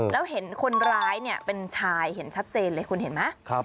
แล้วเห็นคนร้ายเนี่ยเป็นชายเห็นชัดเจนเลยคุณเห็นไหม